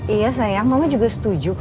iya sayang mama juga setuju kok